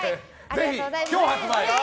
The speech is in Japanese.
ぜひ、今日発売と。